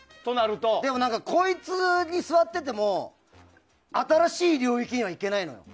でも、こいつに座ってても新しい領域には行けないのよ。